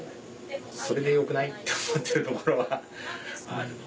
それでよくない？って思ってるところはある。